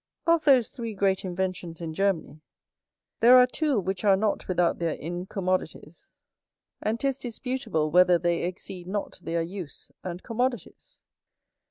Of those three great inventions in Germany, there are two which are not without their incommodities, and 'tis disputable whether they exceed not their use and commodities.